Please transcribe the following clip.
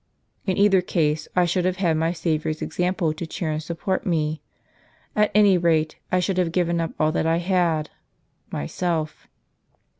In either case, I should have had my Saviour's example to cheer and support me. At any rate, I should have given up all that I had — myself.